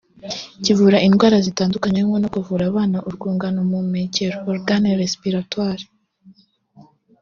Kivura indwara zitandukanye harimo no kuvura abana urwungano mpumekero (organe respiratoire)